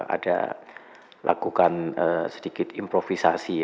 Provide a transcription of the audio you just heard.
ada lakukan sedikit improvisasi